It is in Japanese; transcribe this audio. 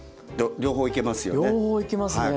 両方いけますよね。